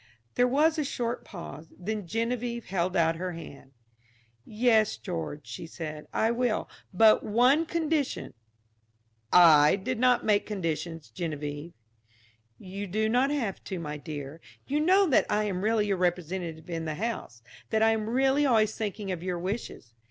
There was a short pause; then Geneviève held out her hand. "Yes, George," she said, "I will, but on one condition " "I did not make conditions, Geneviève." "You do not have to, my dear. You know that I am really your representative in the house; that I am really always thinking of your wishes.